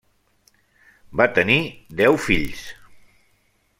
Va tenir deu fills.